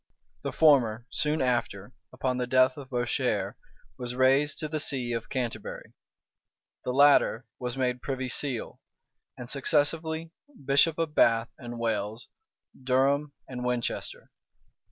The former, soon after, upon the death of Bourchier, was raised to the see of Canterbury. The latter was made privy seal; and successively bishop of Bath and Wells, Durham, and Winchester.